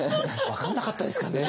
分かんなかったですかね。